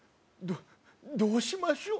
「どうしましょう？」